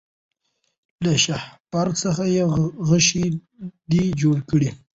له شهپر څخه یې غشی دی جوړ کړی